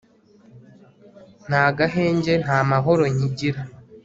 nta gahenge, nta mahoro nkigira